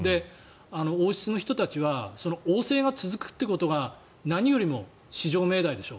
王室の人たちは王制が続くということが何よりも至上命題でしょ。